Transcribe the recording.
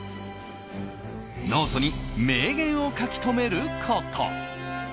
ノートに名言を書き留めること。